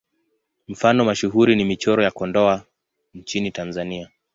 Mfano mashuhuri ni Michoro ya Kondoa nchini Tanzania.